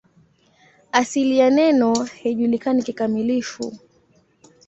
Asili ya neno haijulikani kikamilifu.